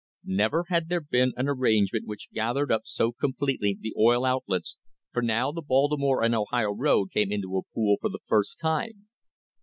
Never had there been an arrangement which gathered ujf so completely the oil outlets, for now the Baltimore and Ohio road came into a pool for the first time.